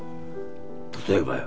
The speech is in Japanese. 例えばよ？